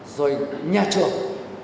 rồi nhà trường